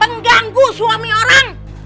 pengganggu suami orang